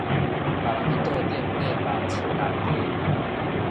別人的桌頂夾肉飼大家